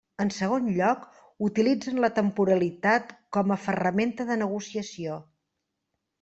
En segon lloc, utilitzen la temporalitat com a ferramenta de negociació.